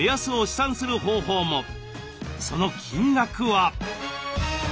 その金額は？